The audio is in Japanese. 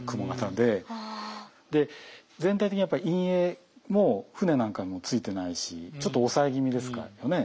で全体的にやっぱり陰影も舟なんかにもついてないしちょっと抑え気味ですかね。